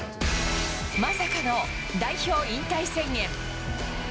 まさかの代表引退宣言。